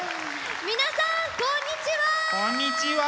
皆さんこんにちは！